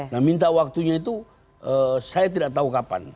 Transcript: nah minta waktunya itu saya tidak tahu kapan